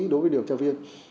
đối với điều tra viên